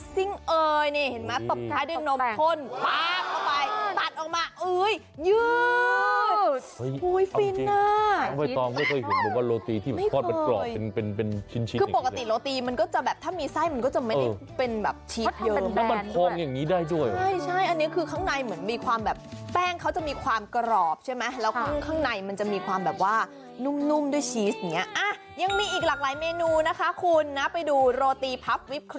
ซอสโชคโกแลตเอ้ยน้ำตาลไอซิ่งเอ้ยนี่เห็นมั้ยตบใต้ด้วยนมพ่นปั๊บ